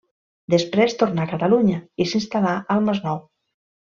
Després tornà a Catalunya i s'instal·là al Masnou.